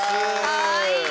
・かわいい！